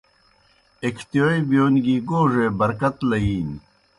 ایْکھتِیوئے بِیون گیْ گوڙے برکت لئِیلنیْ۔